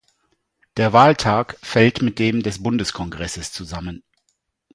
Der Wahltag fällt mit dem des Bundeskongresses zusammen.